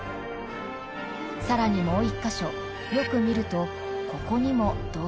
更にもう一か所よく見るとここにも動物が。